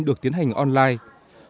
được tiến hành online